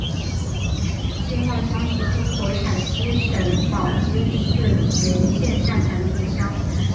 青化乡是中国陕西省宝鸡市眉县下辖的一个乡。